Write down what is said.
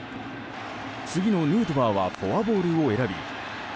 次のヌートバーはフォアボールを選び